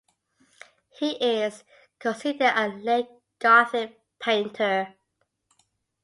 He is considered a late Gothic painter.